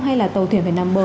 hay là tàu thuyền phải nằm bờ